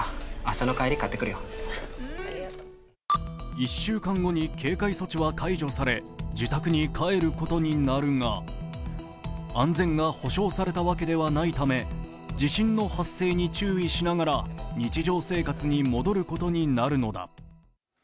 １週間後に警戒措置は解除され、自宅に帰ることになるが安全が保証されたわけではないため地震の発生に注意しながら日常生活に戻ることになるのだ。